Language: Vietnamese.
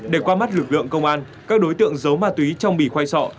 để qua mắt lực lượng công an các đối tượng giấu ma túy trong bì khoai sọ